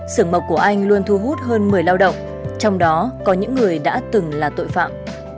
sưởng mộc của anh luôn thu hút hơn một mươi lao động trong đó có những người đã từng là tội phạm